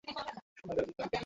পল্টন বাবার প্রসাদ।